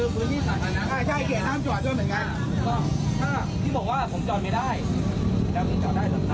พี่บอกว่าผมจอดไม่ได้แล้วพี่จอดได้หรือครับ